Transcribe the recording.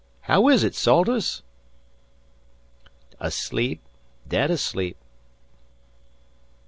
How is ut, Salters?" "Asleep dead asleep.